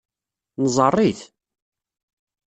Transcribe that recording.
Neẓẓar-it.